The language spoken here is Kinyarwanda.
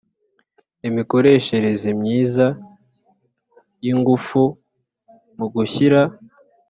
imikoreshereze myiza y ingufu Mu gushyira